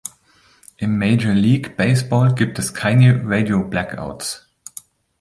Im Major League Baseball gibt es keine Radio-Blackouts.